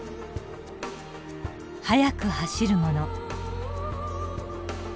速く走るもの。